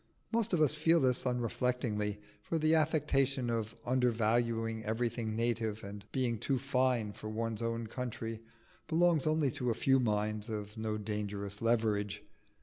Most of us feel this unreflectingly; for the affectation of undervaluing everything native, and being too fine for one's own country, belongs only to a few minds of no dangerous leverage.